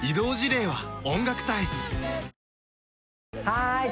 はい